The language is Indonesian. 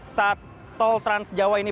saat tol trans jawa ini